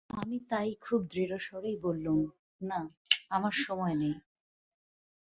আমি তাই খুব দৃঢ়স্বরেই বললুম, না, আমার সময় নেই।